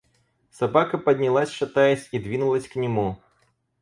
Собака поднялась шатаясь и двинулась к нему.